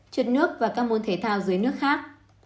trượt nước và các môn thể thao dưới nước khác